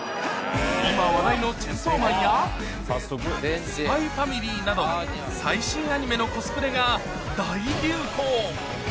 今話題のチェーンソーマンや、スパイファミリーなど、最新アニメのコスプレが大流行。